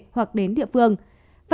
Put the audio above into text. hoặc đến tỉnh